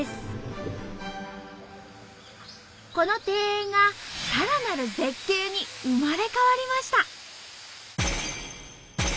この庭園がさらなる絶景に生まれ変わりました。